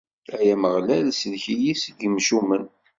Ay Ameɣlal, sellek-iyi seg yimcumen.